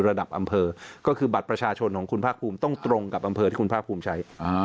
ระดับอำเภอก็คือบัตรประชาชนของคุณภาคภูมิต้องตรงกับอำเภอที่คุณภาคภูมิใช้